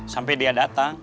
sampai dia datang